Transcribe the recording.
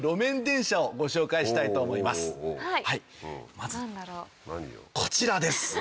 まずこちらです！